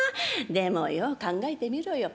でもよ考えてみろよ。